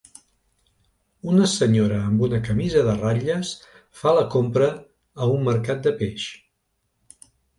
Una senyora amb una camisa de ratlles fa la compra a un mercat de peix.